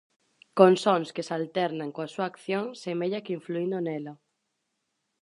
Con sons que se alternan coa súa acción, semella que influíndo nela.